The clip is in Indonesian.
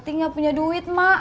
tati nggak punya duit mak